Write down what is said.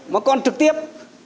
mà còn trực tiếp